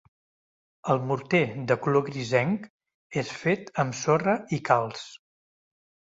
El morter, de color grisenc, és fet amb sorra i calç.